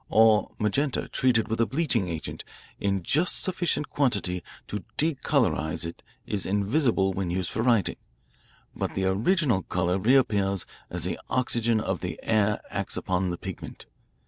Or magenta treated with a bleaching agent in just sufficient quantity to decolourise it is invisible when used for writing. But the original colour reappears as the oxygen of the air acts upon the pigment.